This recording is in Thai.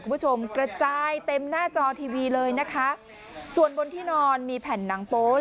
คุณผู้ชมกระจายเต็มหน้าจอทีวีเลยนะคะส่วนบนที่นอนมีแผ่นหนังโป๊